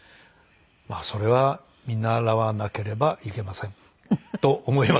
まあそれは見習わなければいけませんと思います。